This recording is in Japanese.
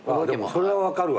それは分かるわ。